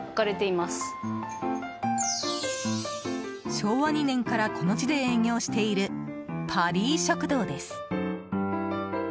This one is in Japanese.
昭和２年からこの地で営業しているパリー食堂です。